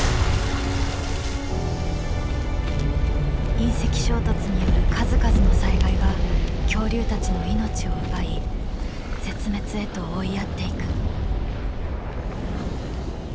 隕石衝突による数々の災害が恐竜たちの命を奪い絶滅へと追いやっていく。